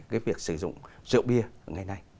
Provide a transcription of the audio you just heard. cái việc sử dụng rượu bia ngày nay